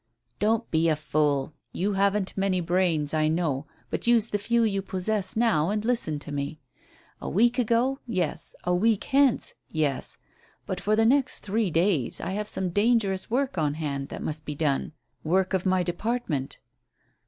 "Don't be a fool. You haven't many brains, I know, but use the few you possess now, and listen to me. A week ago, yes; a week hence, yes. But for the next three days I have some dangerous work on hand that must be done. Work of my department."